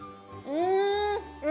うん！